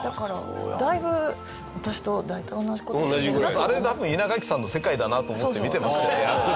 あれ多分稲垣さんの世界だなと思って見てましたよね。